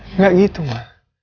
enggak gitu ma